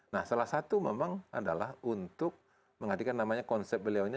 nah salah satu memang adalah untuk menghadirkan namanya konsep beliau ini